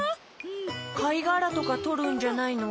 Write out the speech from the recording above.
かいがらとかとるんじゃないの？